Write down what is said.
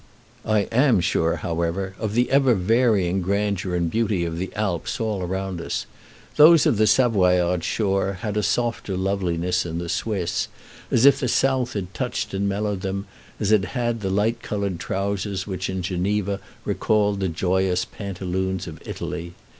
I am sure, however, of the ever varying grandeur and beauty of the Alps all round us. Those of the Savoyard shore had a softer loveliness than the Swiss, as if the South had touched and mellowed them, as it had the light colored trousers which in Geneva recalled the joyous pantaloons of Italy.